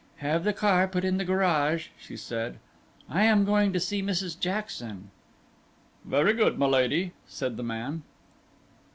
"Have the car put in the garage," she said; "I am going to see Mrs. Jackson." "Very good, my lady," said the man.